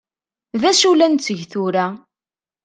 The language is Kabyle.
D acu la netteg tura?